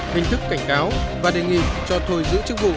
hình thức cảnh cáo và đề nghị cho thôi giữ chức vụ